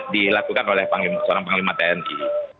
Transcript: dilakukan oleh seorang panglima tni